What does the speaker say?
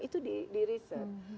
itu di riset